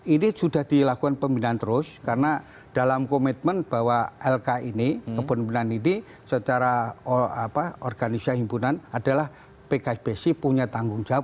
ini sudah dilakukan pembinaan terus karena dalam komitmen bahwa lk ini kepemimpinan ini secara organisasi himpunan adalah pks punya tanggung jawab